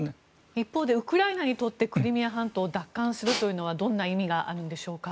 一方でウクライナにとってクリミア半島を奪還するというのはどんな意味があるんでしょうか。